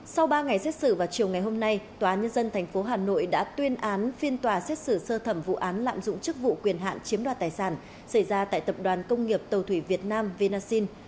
sau ba ngày xét xử vào chiều ngày hôm nay tòa nhân dân tp hà nội đã tuyên án phiên tòa xét xử sơ thẩm vụ án lạm dụng chức vụ quyền hạn chiếm đoạt tài sản xảy ra tại tập đoàn công nghiệp tàu thủy việt nam vinasin